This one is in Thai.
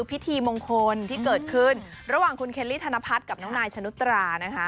พิธีมงคลที่เกิดขึ้นระหว่างคุณเคลลี่ธนพัฒน์กับน้องนายชนุตรานะคะ